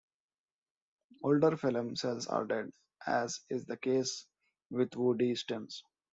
Older phellem cells are dead, as is the case with woody stems.